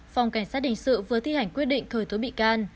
phòng cảnh sát hình sự vừa thi hành quyết định khởi tố bị can